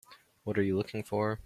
What are you looking for?